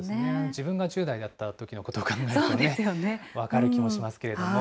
自分が１０代だったときのことを考えるとね、分かる気もしますけれども。